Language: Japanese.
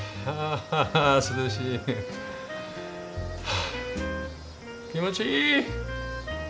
はあ気持ちいい！